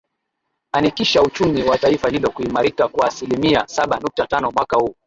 anikisha uchumi wa taifa hilo kuimarika kwa aslimia saba nukta tano mwaka huu